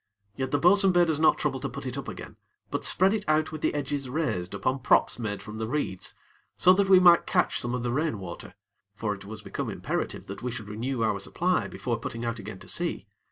Yet, the bo'sun bade us not trouble to put it up again; but spread it out with the edges raised upon props made from the reeds, so that we might catch some of the rainwater; for it was become imperative that we should renew our supply before putting out again to sea.